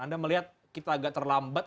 anda melihat kita agak terlambat